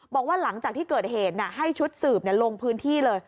บอกว่าหลังจากที่เกิดเหตุให้ชุดสืบลงพื้นที่เลย